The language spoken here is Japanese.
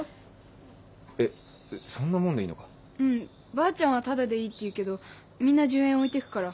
ばあちゃんはタダでいいって言うけどみんな１０円置いてくから。